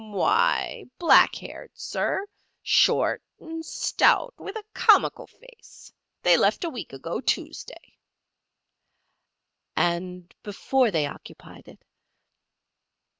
"Why, black haired, sir, short, and stout, with a comical face. They left a week ago Tuesday." "And before they occupied it?"